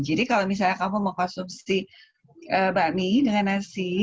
jadi kalau misalnya kamu mengkonsumsi bakmi dengan nasi